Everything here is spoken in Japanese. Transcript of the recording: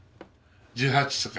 １８とか。